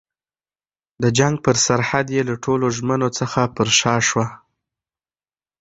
د جنګ پر سرحد یې له ټولو ژمنو څخه پر شا شوه.